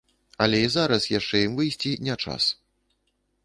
Але і зараз яшчэ ім выйсці не час.